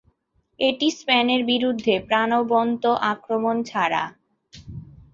এটি স্পেনের বিরুদ্ধে প্রাণবন্ত আক্রমণ ছাড়া।